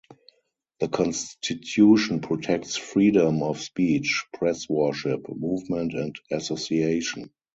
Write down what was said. The constitution protects freedom of speech, press, worship, movement, and association.